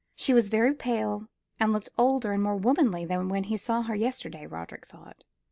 She was very pale, and looked older and more womanly than when he saw her yesterday, Roderick thought.